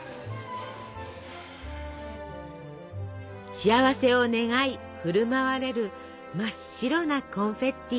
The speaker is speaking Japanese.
幸せを願い振る舞われる真っ白なコンフェッティ。